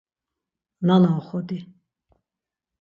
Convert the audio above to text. Nana uxodi!